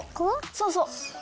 そうそう。